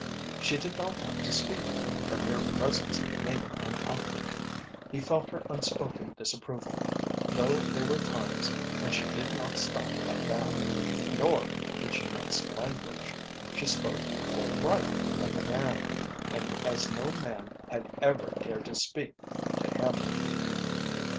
She did not have to speak. Her mere presence made him uncomfortable. He felt her unspoken disapproval, though there were times when she did not stop at that. Nor did she mince language. She spoke forthright, like a man, and as no man had ever dared to speak to him.